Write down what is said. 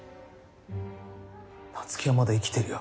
夏希はまだ生きてるよ。